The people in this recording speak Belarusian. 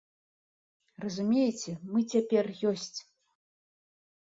Разумееце, мы цяпер ёсць!